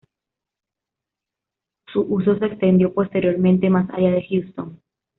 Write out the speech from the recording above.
Su uso se extendió posteriormente más allá de Houston.